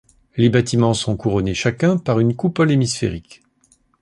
Les bâtiments sont couronnés chacun par une coupole hémisphérique.